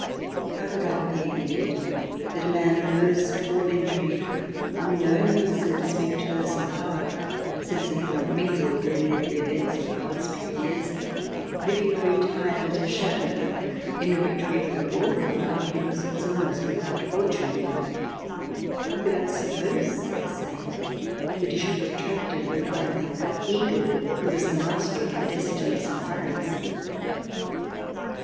How could I believe indeed that a man averse to all intrigue, unknown, so to speak, to those in power, since he had not mingled in any of the events for the past few years, living retired at his chateau, in a retreat all the more profound, because he was almost without fortune, how could I suppose, I say, that he should have attracted the eye of the eagle who was the master of the destinies of France!